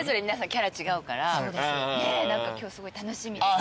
キャラ違うから今日すごい楽しみです。